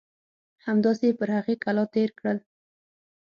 همداسې یې پر هغې کلا تېر کړل.